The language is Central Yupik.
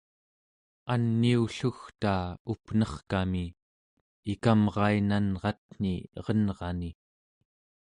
aniullugtaa up'nerkami ikamrainanratni erenrani